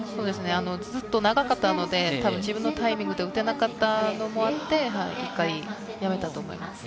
ずっと長かったので、自分のタイミングで撃てなかったと思って１回やめたと思います。